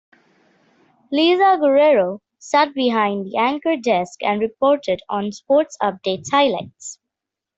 Lisa Guerrero sat behind the anchor desk and reported on sports updates highlights.